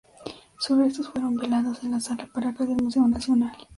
Sus restos fueron velados en la Sala Paracas del Museo Nacional.